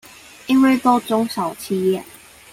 因為都中小企業？